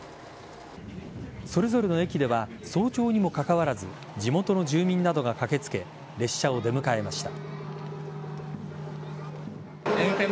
それぞれの駅では早朝にもかかわらず地元の住民などが駆けつけ列車を出迎えました。